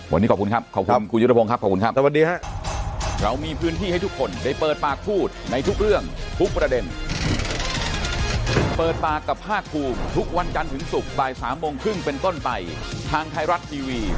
วันนี้ขอบคุณครับขอบคุณคุณยุทธพงศ์ครับขอบคุณครับสวัสดีครับ